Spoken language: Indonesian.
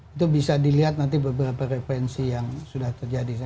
itu bisa dilihat nanti beberapa referensi yang sudah terjadi